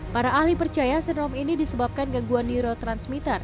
para ahli percaya sindrom ini disebabkan gangguan neurotransmitter